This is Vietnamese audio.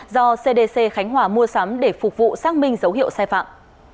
do cdc khánh hòa mua sắm để phục vụ xác minh dấu hiệu sai phạm